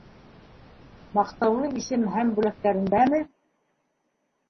Маҡтаулы исем һәм бүләктәрендәме?